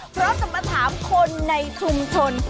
เพราะจะมาถามคนในชุมชน